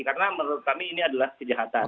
karena menurut kami ini adalah kejahatan